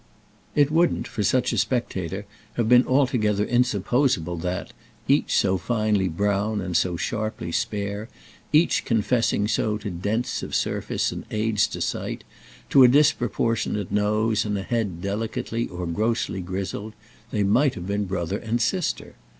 It wouldn't for such a spectator have been altogether insupposable that, each so finely brown and so sharply spare, each confessing so to dents of surface and aids to sight, to a disproportionate nose and a head delicately or grossly grizzled, they might have been brother and sister.